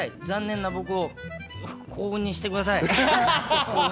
残念な僕を幸運にしてください。